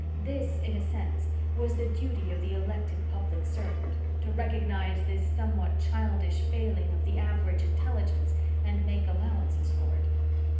This, in a sense, was the duty of the elected public servant to recognize this somewhat childish failing of the average intelligence and make allowances for it.